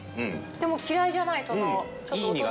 でも嫌いじゃない。